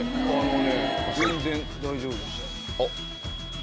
全然大丈夫でした